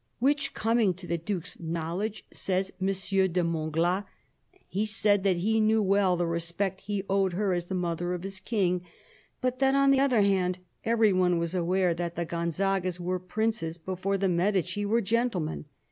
" Which coming to the Duke's knowledge," says M. de Montglat, " he said that he knew well the respect he owed her as the mother of his King ; but that, on the other hand, every one was aware that the Gonzagas were princes before the Medici were gentlemen.